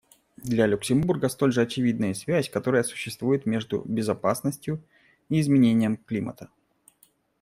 Для Люксембурга столь же очевидна и связь, которая существует между безопасностью и изменением климата.